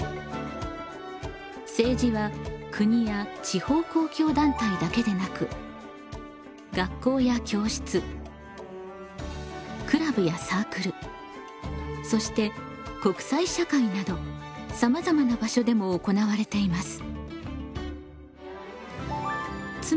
政治は国や地方公共団体だけでなく学校や教室クラブやサークルそして国際社会などさまざまな場所でも行われています。